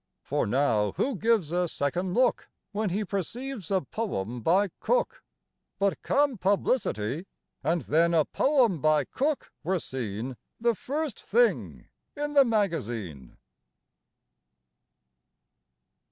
For now who gives a second look When he perceives a POEM by Cooke? But come publicity! And then a poem by COOKE were seen The first thing in the magazine!